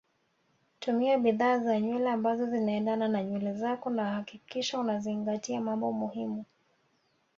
Tumia bidhaa za nywele ambazo zinaendana na nywele zako na hakikisha unazingatia mambo muhimu